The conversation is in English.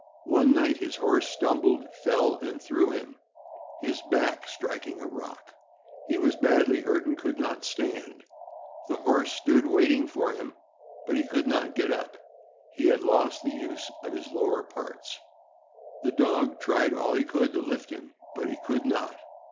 One night his horse stumbled, fell, and threw him, his back striking a rock. He was badly hurt, and could not stand. The horse stood waiting for him, but he could not get up; said he had lost the use of his lower parts. The dog tried all he could to lift him, but could not.